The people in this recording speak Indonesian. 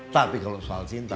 tapi kalau soal cinta